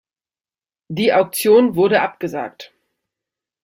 Die Auktion wurde abgesagt.